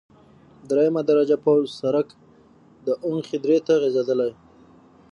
دریمه درجه پوخ سرک د اونخې درې ته غزیدلی،